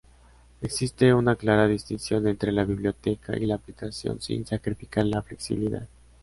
Existe una clara distinción entre la biblioteca y la aplicación sin sacrificar la flexibilidad.